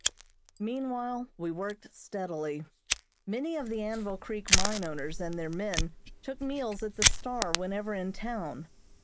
Meanwhile we worked steadily. Many of the Anvil Creek mine owners and their men took meals at the "Star" whenever in town.